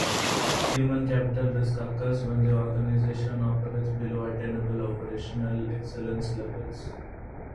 Human capital risk occurs when the organization operates below attainable operational excellence levels.